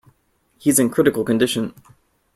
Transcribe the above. He's in critical condition.